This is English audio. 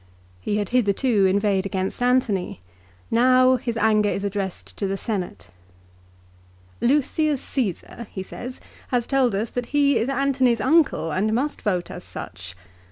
He had hitherto inveighed against Antony. Now his anger is addressed to the Senate. "Lucius Caesar," he said, "has told us that he is Antony's uncle and must vote as such.